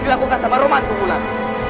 dilakukan sama roman wulan